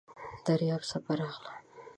د دریاب څپه راغله .